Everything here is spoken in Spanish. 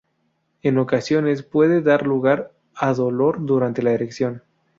En ocasiones puede dar lugar a dolor durante la erección.